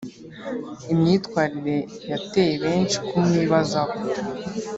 imyitwarire yateye benshi kumwibazaho